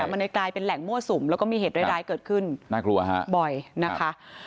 มันกลายเป็นแหล่งมั่วสุมแล้วก็มีเหตุร้ายเกิดขึ้นบ่อยนะคะ